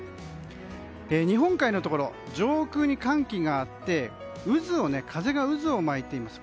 日本海のところ上空に寒気があって風が渦を巻いています。